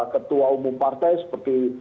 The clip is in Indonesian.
ketua umum partai seperti